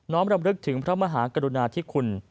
รำลึกถึงพระมหากรุณาธิคุณ